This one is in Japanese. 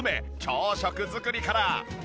朝食作りから。